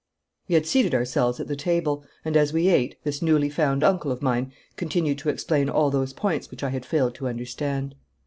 We had seated ourselves at the table, and as we ate, this newly found uncle of mine continued to explain all those points which I had failed to understand.